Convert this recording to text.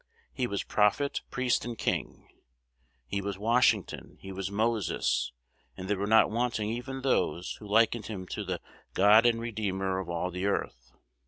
He was prophet, priest, and king; he was Washington; he was Moses; and there were not wanting even those who likened him to the God and Redeemer of all the earth.